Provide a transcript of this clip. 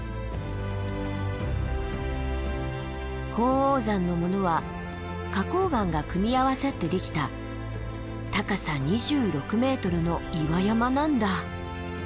鳳凰山のものは花崗岩が組み合わさってできた高さ２６ｍの岩山なんだ。